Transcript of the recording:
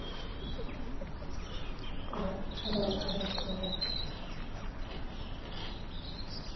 さあここで最後の考慮時間です。